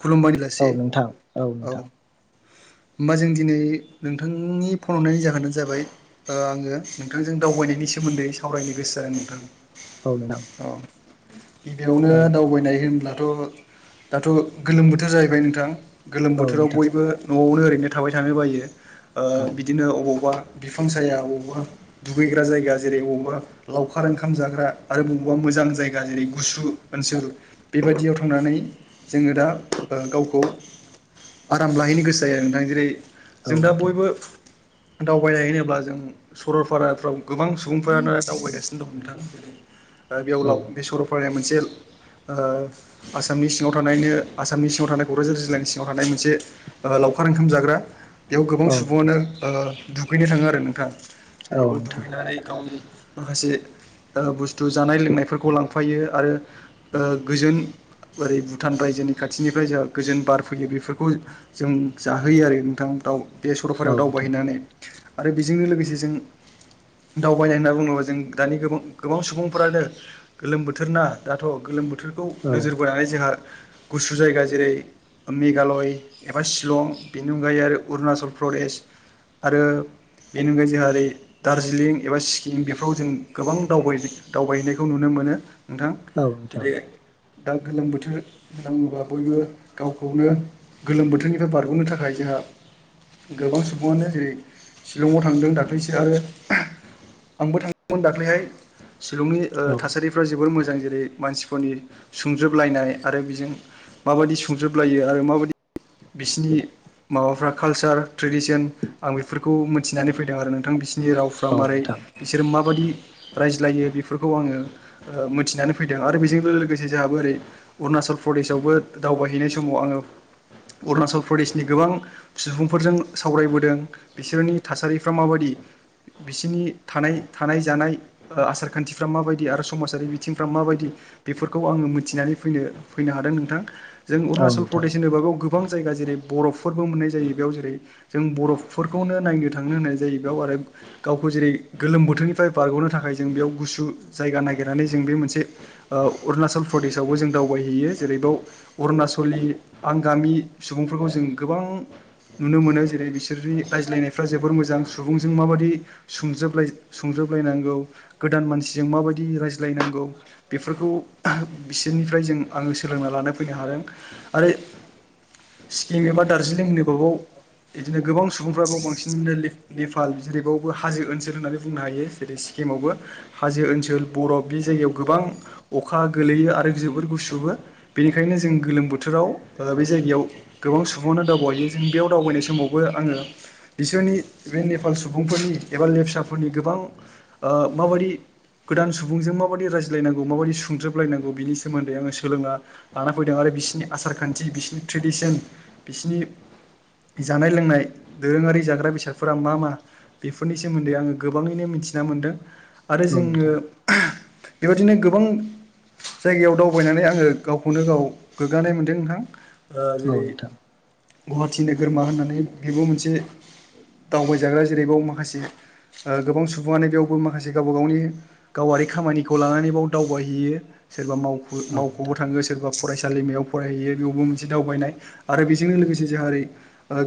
खुलुमबाय औ बेलासे नोंथां औ नोंथां । होमबा जों दिनै नोंथांनि फन हरनायनि जाहोनानो जाबाय आङो नोंथांजों दावबायनायनि सोमोन्दै सावरायनो गोसो जादों नोंथां। औ नोंथां अ गिबियावनो औ दावबायनाय होनब्लाथ' दाथ' गोलोम बोथोर जाहैबाय नोंथां गोलोम बोथोराव नोंथां बयबो न'आवनो ओरैनो थाबाय थानो बायो ओ औ बिदिनो अबावबा बिफां साया अबावबा दुगैग्रा जायगा जेरै बबावबा लावखार ओंखाम जाग्रा आरो बबावबा मो जा जायगा जेरै गुसु ओनसोल बेबायदियाव थांनानै जोङो दा ओ गावखौ आराम लाहैनो गोसो जायो आरो नोंथां। जेरै औ जों दा नोंथां बयबो दावबायनाय होनोब्ला जों सरलपाराफ्राव गोबां सुबुंफोरानो दावबायगासिनो दं नोंथां। दा बेयाव औ लाव बे सरलपाराया मोनसे ओ आसामनि सिङाव थानायनो आसामनि सिङाव थानाय क'क्राझार जिल्लानि सिङाव थानाय मोनसे लावखार ओंखाम जाग्रा बेयाव गोबां औ नोंथां सुबुङानो ओ दुगैनो थाङो आरो नोंथां। औ जेरै बेयाव नोंथां दुगैनानै गावनि माखासे ओ बुस्थु जानाय लोंनायफोरखौ लांफायो आरो ओ गोजोन आरै भुटान रायजोनि खाथिनिफ्राय जोंहा गोजोन बार फैयो बेफोरखौ जों जाहोयो आरो नोंथां दाउ बे औ सरलपारायाव नोंथां दावबायहैनानै आरो बेजोंनो लोगोसे जों दावबायनाय होनना बुङोब्ला जों दानि गोबां गोबां सुबुंफ्रानो गोलोम बोथोर ना दाथ' गोलोम बो थोरखौ औ नोजोर बोनानै जोंहा गुसु जायगा। जेरै ओ मेघालय एबा शिलं बेनि अनगायै आरो अरुनाचल प्रदेश आरो बेनि अनगायै जोंहा ओरै दार्जिलिं एबा सिक्किम बेफ्राव जों गोबां दावबाय दावबायहैनायखौ नुनो मो मोनो नोंथां औ नोंथां जेरै दा गोलोम बोथोर होनना बुङोबा बयबो गावखौनो गोलोम बोथोरनिफ्राय बारग'नो थाखाय जोंहा गोबां सुबुङानो जेरै शिलंआव थांदों दाख्लैसो आरो। आंबो थांदोंमोन दाख्लैहाय। शिलंनि ओ थासारिफ्रा जोबोर मोजां जेरै मानसिफोरनि सुंजोबलायनाय आरो बिजों माबायदि संजोबलायो आरो माबायदि बिसिनि माबाफ्रा कालचार ट्रेडिसन आं बेफोरखौ मिथिनानै फैदों आरो नोंथां बिसोरनि रावफ्रा माबारै बिसोर माबादि रायज्लायो। बेफोरखौ आङो ओ मिथिनानै फैदों आरो बेजों लोगोसे जोंहाबो ओरै अरुणाचल प्रदेशावबो दावबायहैनाय समाव आङो अरुणाचल प्रदेशनि गोबां सुबुंफोरजों सावरायबोदों बिसोरनि थासारिफ्रा माबादि बिसिनि थानाय थानाय जानाय ओ आसार-खान्थिफ्रा माबायदि आरो समाजारि बिथिंफ्रा माबायदि। बेफोरखौ आङो मिथिनानै फैदो-फैनो हादों नोंथां। जों औ नोंथां औ नोंथां औ अरुणाचल नोंथां प्रदेश होनोबा बेयाव गो बां जायगा जेरै बरफफोरबो मोननाय जायो बेयाव। जेरै जों बरफफोरखौनो नायनो थांनो होननाय जायो बेयाव आरो गावखौ जेरै गोलोम बोथोरनिफ्राय बारग'नो थाखाय जों बेयाव गुसु जायगा नागिरनानै जों बे मोनसे ओ अरुणाचल प्रेशआवबो जों दावबायहैयो। जेरै बाव अरुणाचलनि आंगामि सुबुंफोरखौ जों गोबां नुनो मोनो। जेरै बिसोरनि रायज्लायनायफ्रा जोबोर मोजां सुबुंजों माबादि सुंजोबलायो सुंजोब लायनांगौ गोदान मानसिजों माबायदि रायज्लायनांगौ। बेफोरखौ बिसोरनि फ्राय जों आङो सोलोंना लानो फैनो हादों। आरो सिक्किम एबा दार्जिलिं होनोबा बाव बिदिनो गोबां सुबुंफ्रा बेयाव बांसिननो नेपाल जेरैबावबो हाजो ओनसोल होननानै बुंनो हायो। जेरै चि किमावबो हाजो ओनसोल बरफ बे जायगायाव गोबां अखा गोलैयो आरो जोबोर गुसुबो। बेनिखायनो जों गोलोम बोथोराव ओ बे जायगायाव गोबां सुबुङानो दावबायहैयो। बेयाव दावबायनाय समावबो आङो बिसोरनि बे नेपाल सुबुंफोरनि एबा लेबसाफोरनि गोबां ओ माबादि गोदान सुबुंजों माबादि रायज्लायनांगौ माबायदि सुंजोबलायनांगौ बिनि सोमोन्दै आङो सोलोङा लाना फैदों आरो बिसिनि आसार खान्थि बिसिनि ट्रेडिसन बिसिनि जानाय लोंनाय दोरोङारि जाग्रा बेसादफोरा मा मा बेफोरनि सोमोन्दै आङो गोबाङैनो मि थिना मोनदों। आरो औ जोङो नोंथां बेबादिनो गोबां जायगायाव दावबायनानै आङो गावखौनो गाव गोग्गानाय मोनदों नोंथां। औ नोंथां औ नोंथां औ जेरै नोंथां गुवाहाटि नोगोरमा होननानै बेबो मोनसे दावबायजाग्रा। जेरैबाव माखासे गोबां सुबुङानो बेयावबो माखासे गावबा गावनि गावारि खामानिखौ लानानै बाव दावबायहैयो। सोरबा औ नोंथां औ नोंथां औ नोंथां मावख'बो थाङो सोरबा फरायसालिमायाव फरायहैयो बेयावबो मोनसे दावबायनाय आरो बेजोंनो लोगोसे जेरै जोहा एरै ओ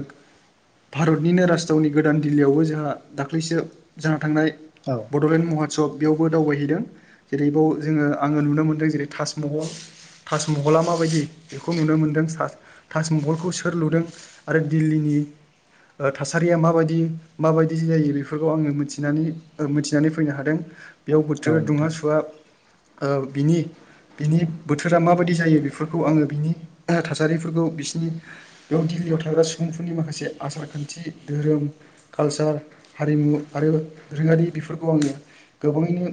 भारतनिनो राजथावनि गोदान दिल्लीयावबो जोंहा दाख्लैसो जाना थांनाय बडलेण्ड महत्सब बेयावबो दावबायहैदों जेरैबाव जोङो आङो नुनो मोनदों। दों जेरै ताजमहल ताजमहला माबायदि बेखौ नुनो मोन्दों ताजमहलखौ सोर लुदों आरो दिल्लीनि [unintelligible] थासारिया माबायदि माबायदि जायो बेफोरखौ आङोथिनानै मिथिनानै फैनो हादों बेयाव बोथोर दुंङा सुवा ओ बिनि बिनि बोथोरा माबायदि जायो बेफोरखौ आङो बिनि थासारिफोरखौ बिसिनि दिल्लीयाव थाग्रा सुबुंफोरनि माखासे आसार खान्थि धोरोम कालचार हारिमु आरो रोंरिफोरखौ आङो गोबाङैनो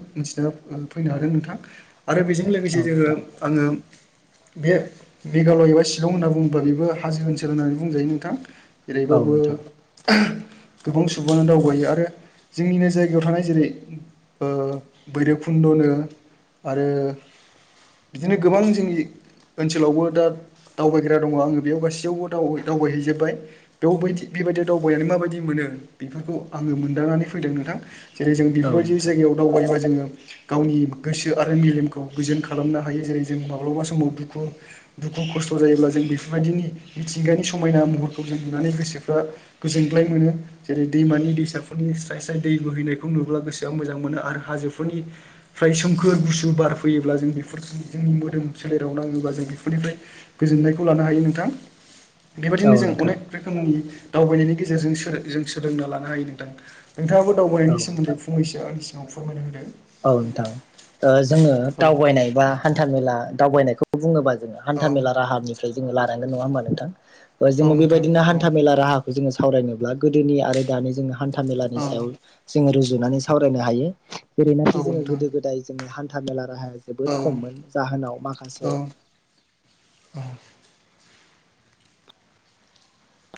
फैनो हादों नोंथां आरो बेजों लोगोसे जोङो आङो बे मेघालय एबा शिलं होनना बुङोब्ला बेबो हाजो ओनसोल होननानै बुंजायो नोंथां। जेरैबावबो गोबां सुबुङानो दावगायो आरो जोंनिनो जायगायाव थानाय जेरै ओ बैरबखुन्दनो आरो बिदिनो गोबां जोंनि ओनसोलावबो दा दावबायग्रा दङ आङो बेयाव गासैयावबो दावबायहैजोबबाय बेयाव बैदि बेबायदि दावबायनानै माबायदि मोनो बेफोरखौ आङो मोनदांनानै फैदों नोंथां। जेरै जों बेफोरबायदि जायगायाव दावबायोबा जोङो गावनि गोसो आरो मेलेमखौ खौ गोजोन खालामनो हायो जेरै जों माब्लाबा समाव दुखु दुखु खस्थ जायोब्ला जों बेफोरबायदिनि मिथिंगानि समायना महरखौ जों नुनानै गोसोफ्रा गोजोनग्लाय मोनो जेरै दैमानि दैसाफोरनि स्राय स्राय दै बोहैनायखौ नुब्ला गोसोआ मोजां मोनो आरो हाजोफोरनिफ्राय सोमखोर गुसु बारफोर फैयोब्ला जों बेफोर जोंनि मोदोम सोलेराव नाङोब्ला जों बेफोरनिफ्राय गोजोननायखौ लानो हायो नोंथां। बेबायदिनो जों अनेक रोखोमनि दावबायनायनि गेजेरजों जों सोलोंना लानो हायो नोंथां। नोंथाङाबो औ दावबायनायनि नोंथां सोमोन्दै फंनैसो आंनि सिगाव फोरमायनो होदो। औ नोंथां जोङो औ दावबायनाय बा हान्था मेला दावबायनायखौ बुङोबा औ हान्था मेला राहानिफ्राय जोङो लानांगोन नङा होनबा नोंथां औ जोङो नोंथां बेबायदिनो औ हान्था मेला राहा खौ सावरायनोब्ला गोदोनि आरो दानि जो हान्था मेलानि औ सायाव रुजु नानै सावनो हायो औ जेरैनाखि जोङो नोंथां गोदो गोदाय जोङो हान्था मेला राहा औ जोबोद खममोन जाहोनाव औ माखासे औ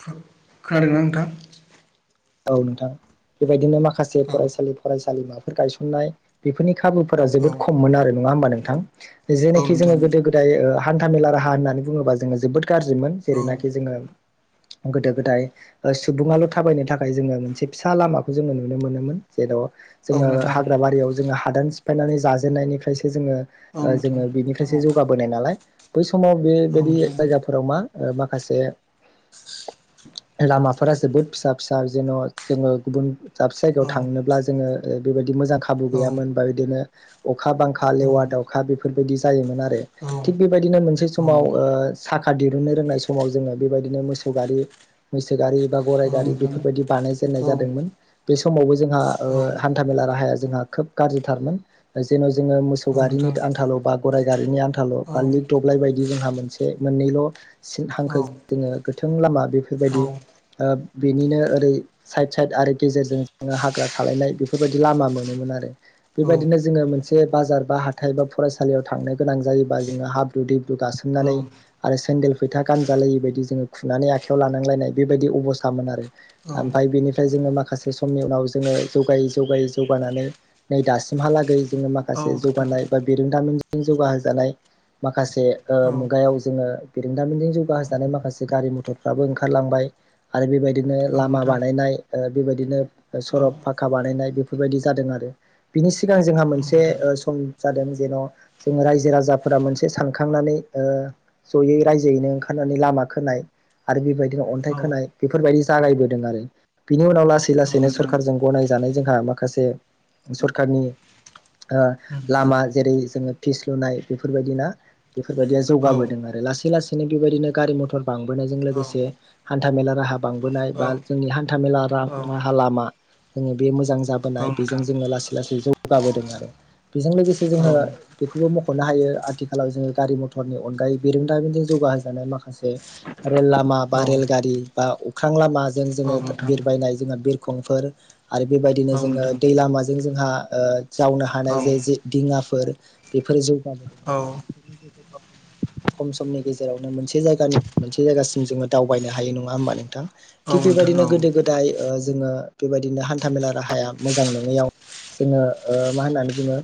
खोनादोंं ना नोंथा? औ नोंथां बेबायदिनो माखासे फरायसालि फरायसालिमाफोर गायसननाय बेफोरनि खाबुफोरा औ जोबोद खममोन मोन आरो नङा होमबा नोंथां औ जेखि जोङो नोंथां गोदो गोदाय हान्थामेला राहा होननानै बुङोबा जोङो जोबोद गाज्रिमोन औ जेरैनाखि जोङो गोदो गोदाय सुबुङाल' थाबायनो था खाय जोङो मोनसे फिसा लामाखौ जोङो नुनो मोनोमोन जेराव औ जोङो नोंथां हाग्रा बारियाव जोङो हादान सिफायनानै जाजेननायनिफ्रायसो जोङो औ नोंथां जोङो औ बिनिफ्रायसो जौगाबोनाय नालाय बै सम समाव औ बेबायदि नोंथां जायगाफोराव मा माखासे [inaudible] लामाफोरा जोबोद फिसा फिसा जेन' जोङो गुबुन दाबसे जायगायाव औ थांनोब्ला जोङो बेबायदि मोजां खाबु गैयामोन बा बिदिनो अखा बांखा औ लेवा औ दाउखा बेफोरबायदि जायोमोन आरो। औ थिग बेबायदिनो मोनसे समाव ओ सा खा दिरुननो रोंनाय समाव जोङो बेबायदिनो मोसौ गारि मैसो गारि बा गराइ औ गारि बि नोंथां फोरबायदि बानाय औ जेननाय जादोंमोन बे समावबो जोंहा ओ औ हान्था मेला राहाया जोंहा खोब गाज्रिथारमोन जेन' जोङो मोसौ औ गारिनि नोंथां आनथाल' बा गाराइ गारिनि आन थाल' औ फाल्लि दब्लाय बायदि जोंहा मोनसे मोननैल' सिन औ हांखो जोङो गोथों लामा औ बेफोरबायदि ओ बेनिनो ओरै साइद साइद आरि गेजेरजों जोङो हाग्रा थालायनाय बेफोरबायदि लामा मोनोमोन आरो बेबायदिनो जोङो मोनसे बाजार बा हाथाइ बा फरायसालियाव थांनो गोनां जायोबा जोङो हाब दैब्रु औ गासोमनानै आरो सेन्देल फैथा गानजालायि बायदि जोङो खुनानै आखाइायाव लानांलायनाय बेबायदि अबस्थामोन आरो ओमफ्राय बेनिफ्राय जोङो मा खासे समनि उनाव जोङो जौगायै जौगायै जौगानानै नै दासिमहालागै औ माखासे नोंथां जौगानाय बा बिरोंदामि जौगाहोजानाय माखासे ओ औ मुगायाव जोङो बेरोंदामिजों जौगाहोजानाय माखासे गारि मथरफ्राबो ओंखारलांबाय आरो बेबायदि औ लामा नोंथां बानायनाय बेबायदिनो औ सरब फाखा बानायनाय बेफोर बेफोरबायदि जादों आरो बिनि सिगां जोंहा मोनसे नोंथां सम जादों जेन' जों रायजो राजाफोर मोनसे सानखांनानै ओ जै रायजोैनो ओंखारनानै लामा खोनाय आरो बेबायदि अन्थाइ औ नोंथां औ नोंथां औ नोंथां औ नोंथां औ खोनाय बेफोरबायदि जागायबोदों आरो बिनि उनाव लासै औ नोंथां औ नोंथां औ नोंथां लासैनो औ नोंथां औ औ सरखारजों औ गनाय जानाय जों माखासे सरखारनि ओ नोंथां औ लामा जेरै जोङो फिस लुनाय बेफोरबायदिना बेफोरबायदिया जौगाबोदों आरो लासै लासैनो बेबायदिनो गारि मथर बांबोनायजों लोगोसे हान हान्था मेला राहा बांबोनाय बा जोंनि हान्था मेला राहा लामा जोङो बे मोजां जाबोनाय बेजों जोङो लासै लासै जौगाबोदों आरो बेजों लोगोसे जोङो बेखौबो मख'नो हायो आथिखालाव जोङो गारि मथरनि अनगायै बिरोंदामिनजों जौगाहजानाय माखासे रेल लामा बा रेलगारि बा अख्रां लामाजों जोङो बिरबायनाय जों बिर खंफोर आरो बेबायदिनो जोङो दै लामाजों जोंहा ओ जावनो हानाय जे जि दिङाफोर बेफोरो जौगाबोदों आरो बेफोरनि खम समनि गेजेरावनो मोनसे जायगानि मोनसे जायगासिम जोङो दावबायनो हायो नङा होमबा नोंथां थिग बेबायदिनो गोदो गोदाय ओ जोङो बेबायदिनो हान्था मेला राहाया मोजां नङैयाव जोङो मा होननानै बुङो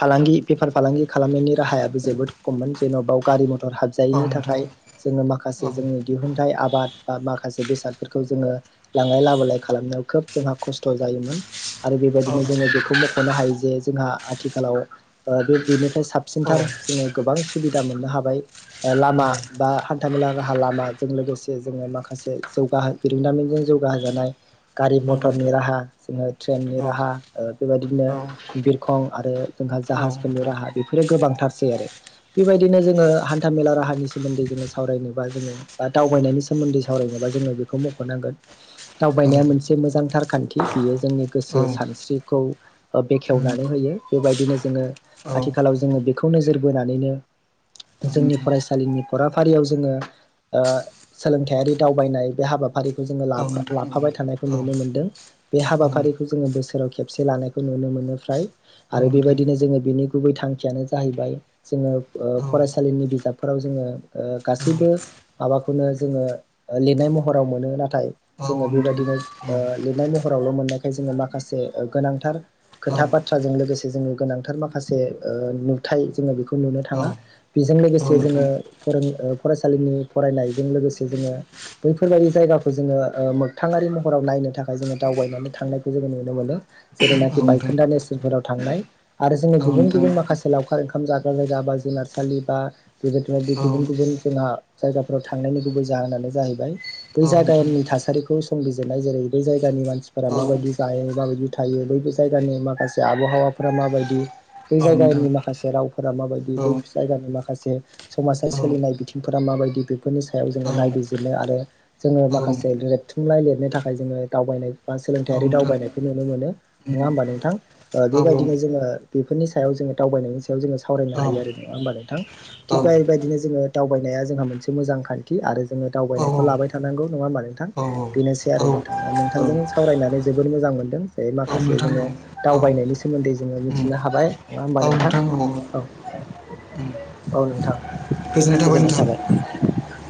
फालांगि बेफार फालांगि खालामनायनि राहायाबो जोबोद खममोन जेन'बा गारि मथर हाबजायैनि थाखाय जोङो माखासे जोंनि दिहुनथाइ आबाद बा मा माखासे बेसादफोरखौ जोङो लांलाय लाबोलाय खालामनायाव खोब जोंहा खस्थ' जायोमोन। आरो बेबायदिनो जोङो बेखौ मख'नो हायो जे जोंहा आथिखालाव बे बेनिफ्रा फ्राय साबसिनथार जोङो गोबां सुबिदा मोननो हाबाय लामा बा हान्थामेला राहा लामाजों लोगोसे जोङो माखासे माखासे जौगाह बिरोंदामिनजों जौगाहजानाय गारि मथरनि राहा जोङो ट्रेननि राहा ओ बेबायदिनो बिरखं आरो जोंहा औ जाहाजफोरनि नोंथां राहा बेफोरो गोबांथारसै आरो बेबायदिनो जोङो हान्था मेला राहानि सोमोन्दै जोङो सावरायनोबा जोङो बा दावबायनायनि सोमोन्दै सावरायनोबा जों बेखौ मख'नांगोन औ दावबायनाया मोनसे मोजांथार खान्थि बियो जोंनि गोसो उम सान स्रिखौ ओ बेखेवनानै होयो बेबायदिनो जोङो औ आथिखालाव जोङो बेखौ नोजोर बोनानै नो जोंनि नोंथां फरायसालिनि फराफारियाव जोङो सोलोंथायारि दावबायनाय बे हाबाफारिखौ जोङो औ लाफा नोंथां लाफाबाय थानायखौ औ नुनो मोनदों बे औ हाबाफारिखौ जोङो बोसोर खेबसे लानायखौ नुनो मोनो फ्राय औ आरो नोंथां बेबायदिनो जोङो बिनि गुबै थांखियानो जाहैबाय जों जोङो ओ औ फरायसालिनि बिजाबफोराव जोङो ओ गासैबो माबाखौनो जोङो ओ लिरनाय महराव मोनो नाथाय औ नोंथां औ जोङो नोंथां बेबायदिनो ओ लिरनाय महरावल' मोननायखाय जोङो माखासे गोनांथार खोथा बाथ्राजों लोगोसे जोङो गोनांथार माखासे ओ नुथाय जोङो बेखौ नुनो थाङा। बेजों औ लोगोसे लोगोसे नोंथां जोङो फरायसालिनि फरायनायजों लोगोसे जोङो बैफोरबायाददि जायगाखौ जोङो ओ मोगथाङारि महराव नायनो थाखाय जोङो दावबायनानै थांनायखौ जोङो नुनो मोनो। जेरैनाखि बायखोन्दा नेसफोराव थांनाय आरो जोंनि औ नोंथां औ नोंथां औ गुबुन नोंथां गुबुन माखासे लावखार ओंखाम जाग्रा जायगा बा जुनारसालि बा बेबायदि बिदि औ गुबुन गुबुन जोंहा जायगाफोराव थांनायनि गुबुन बै जाहोनानो जाहैबाय बै औ जायगानि थासारिखौ संबिजिरनाय जेरै बै जायगानि मानसिफोरा औ नोंथां उम औ नोंथां औ माबायदि जायो माबायदि बि थायो बै जायगानि माखासे आबहावाफोरा माबायदि बे जायगानि माखासे रावफोरा माबायदि दि बै जायगानि माखासे समाजाव सोलिनाय बिथिंफोरा माबायदि बेफोरनि सायाव जोङो नायबिजिर आरो जोङो माखासे रेबथुमनाइ लिरनो थाखाय जोङो दावबायनाय बा सोलोंथायारि दावबायनायखौ नु नुनो मोनो नङा होमबा नोंथां ओ बेबायदिनो जोङो बेफोरनि सायाव जोङो दावबायनायनि सायाव जोङो सावराय हायो‌ आरो‌ नङा होमबा नोंथां थिग दा बेबादिनो जोङो दावबायनाया जोंहा मोनसे मोजां खान्थि आरो जोङो दावबायनायखौ लाबाय थानांगौ नङा होमबा नोंथां बेनोसै आरो नोंथां ओ नोंथांजों सावरायनानै जोबोद मोजां मोनदों दायो माखासे जोङो दावबायनायनि सोमोन्दै जोङो उम मिथिनो हाबाय नङा होमबा नोंथां औ उम औ नोंथां गोजोननाय थाबाय गोजोन्नाय नोंथां थाबाय